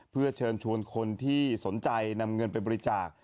เพื่อเชิญชวนคนที่สนใจนำเงินไปบริจาค